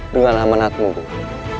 dengan amanatmu guru